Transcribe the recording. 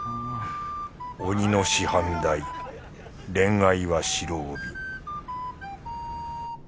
鬼の師範代恋愛は白帯